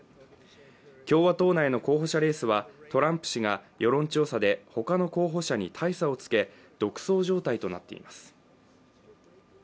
共和党内の候補者レースはトランプ氏が世論調査で他の候補者に大差をつけ独走状態となっています。